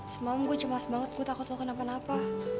semalam gue cemas banget gue takut lo kenapa napa